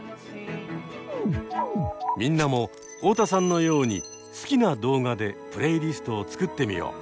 みんなも太田さんのように好きな動画でプレイリストを作ってみよう。